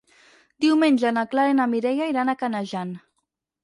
Diumenge na Clara i na Mireia iran a Canejan.